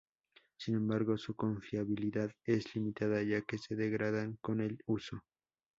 Sin embargo, su confiabilidad es limitada, ya que se degradan con el uso.